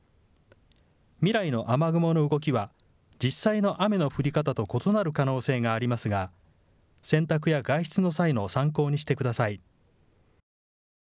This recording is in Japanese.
未来の雨雲の動きは実際の雨の降り方と異なる可能性がありますが洗濯や外出の際の参考にしてください。